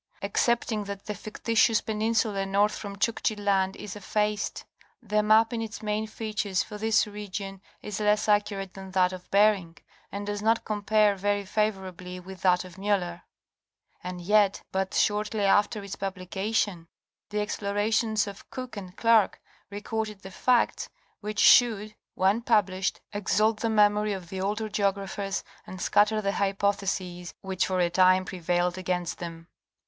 Excepting that the fictitious peninsula north from Chuk chi land is effaced, the map in its main features for this region is less accurate than that of Bering, and does not compare very favorably with that of Miller, And yet but shortly after its publication, the ex plorations of Cook and Clerke recorded the facts which should, when published, exalt the memory of the older geographers and scatter the hypotheses which for a time prevailed against them.